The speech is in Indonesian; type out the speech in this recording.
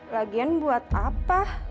lagian buat apa